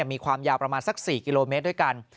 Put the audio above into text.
มีความยาวประมาณสัก๔กิโลเมตรด้วยกัน